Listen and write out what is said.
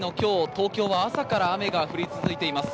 東京は朝から雨が降り続いています。